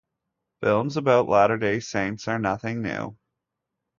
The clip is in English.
Films about Latter-day Saints are nothing new.